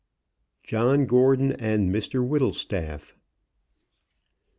JOHN GORDON AND MR WHITTLESTAFF.